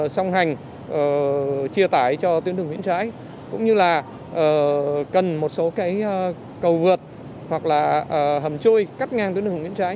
song hành chia tải cho tuyến đường bên trái cũng như là cần một số cái cầu vượt hoặc là hầm trôi cắt ngang tuyến đường bên trái